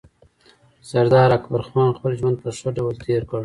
سردار اکبرخان خپل ژوند په ښه ډول تېر کړ